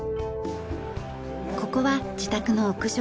ここは自宅の屋上。